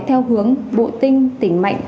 theo hướng bộ tinh tỉnh mạnh